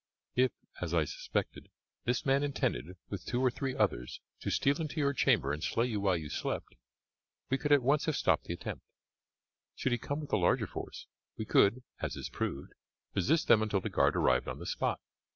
"If, as I suspected, this man intended, with two or three others, to steal into your chamber and slay you while you slept, we could at once have stopped the attempt; should he come with a larger force, we could, as is proved, resist them until the guard arrived on the spot.